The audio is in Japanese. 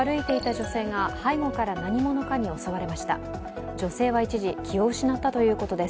女性は一時、気を失ったということです。